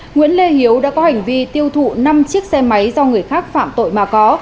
nguyễn lê hiếu đã có hành vi tiêu thụ năm chiếc xe máy do người khác phạm tội mà có